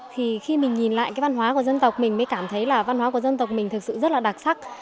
thì khi mình nhìn lại cái văn hóa của dân tộc mình mới cảm thấy là văn hóa của dân tộc mình thực sự rất là đặc sắc